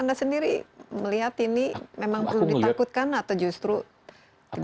tapi anda sendiri melihat ini memang belum ditakutkan atau justru tidak terlalu